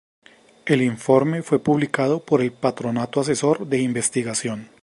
El informe fue publicado por el Patronato Asesor de Investigación.